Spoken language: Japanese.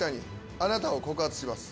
あなたを告発します。